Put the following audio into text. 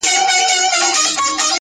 نوي نسلونه پوښتني کوي ډېر,